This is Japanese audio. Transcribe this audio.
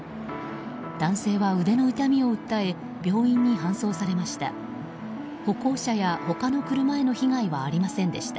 男性は腕の痛みを訴え病院に搬送されました。